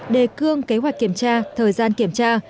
đề cương kế hoạch kiểm tra thời gian kiểm tra